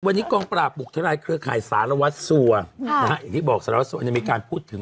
วันนี้กองปราบบุกทลายเครือข่ายสารวัตรสัวอย่างที่บอกสารวัสสัวเนี่ยมีการพูดถึง